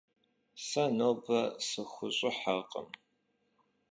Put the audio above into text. Se nobe sıxuş'ıherkhım.